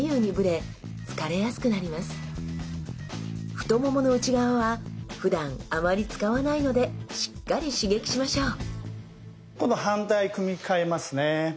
太ももの内側はふだんあまり使わないのでしっかり刺激しましょう今度反対組み替えますね。